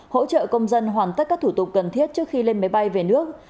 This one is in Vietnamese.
hỗ trợ công dân hoàn tất các thủ tục cần thiết trước khi lên máy bay về nước